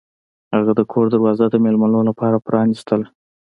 هغه د کور دروازه د میلمنو لپاره پرانیستله.